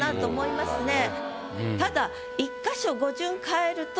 ただ。